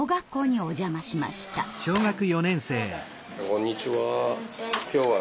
こんにちは。